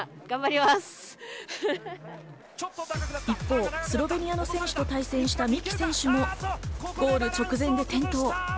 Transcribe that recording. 一方、スロベニアの選手と対戦した三木選手もゴール直前で転倒。